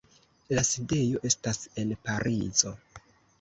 La sidejo estas en Parizo.